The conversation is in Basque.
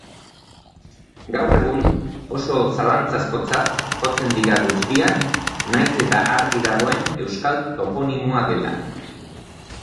Gaur egun, oso zalantzazkotzat jotzen dira guztiak, nahiz eta argi dagoen euskal toponimoa dela